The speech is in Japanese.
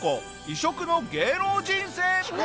異色の芸能人生。